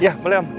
ya boleh om